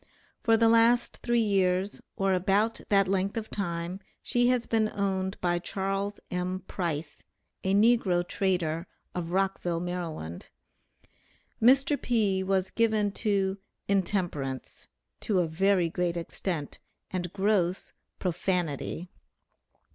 For the last three years, or about that length of time, she has been owned by Charles M. Price, a negro trader, of Rockville, Maryland. Mr. P. was given to 'intemperance,' to a very great extent, and gross 'profanity.'